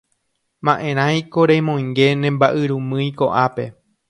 Ma'erãiko remoinge ne mba'yrumýi ko'ápe